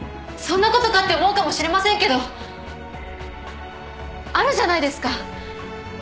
そんなことかって思うかもしれませんけどあるじゃないですか。